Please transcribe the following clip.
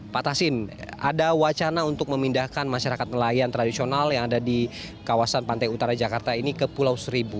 pak tasim ada wacana untuk memindahkan masyarakat nelayan tradisional yang ada di kawasan pantai utara jakarta ini ke pulau seribu